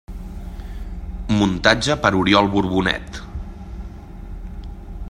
Muntatge per Oriol Borbonet.